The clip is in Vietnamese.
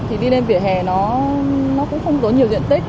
thì đi lên vỉa hè nó cũng không có nhiều diện tích